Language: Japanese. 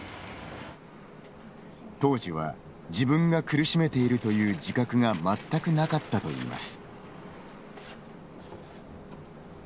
当時は、自分が苦しめているという自覚が全くなかったといいます。